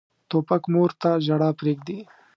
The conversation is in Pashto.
توپک مور ته ژړا پرېږدي.